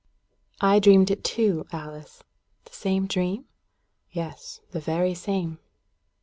"I dreamed it too, Alice." "The same dream?" "Yes, the very same."